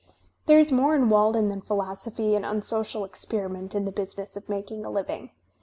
There is more in "Walden" than philosophy and unsocial experiment in the business of making a living.